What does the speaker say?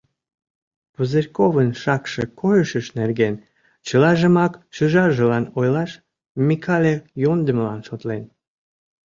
Пузырьковын шакше койышыж нерген чылажымак шӱжаржылан ойлаш Микале йӧндымылан шотлен.